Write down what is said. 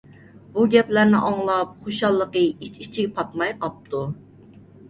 بۇ گەپلەرنى ئاڭلاپ، خۇشاللىقى ئىچ - ئىچىگە پاتماي قاپتۇ.